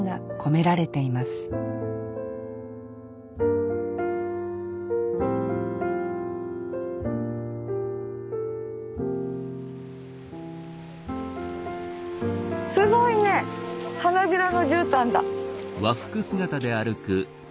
すごいね花びらのじゅうたんだ。